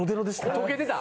溶けてた？